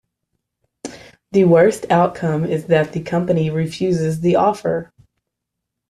The worst outcome is that the company refuses the offer.